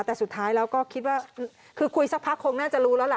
แต่สุดท้ายแล้วก็คิดว่าคือคุยสักพักคงน่าจะรู้แล้วล่ะ